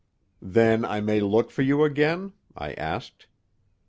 "Then I may look for you again?" I asked.